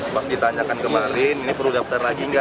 pas ditanyakan kemarin ini perlu daftar lagi nggak